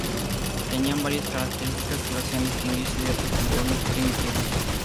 Tenían varias características que lo hacían distinguirse de otros tiburones primitivos.